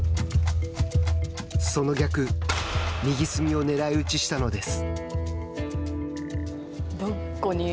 その逆、右隅を狙い打ちしたのです。